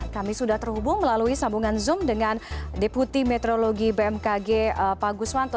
kami sudah terhubung melalui sambungan zoom dengan deputi meteorologi bmkg pak guswanto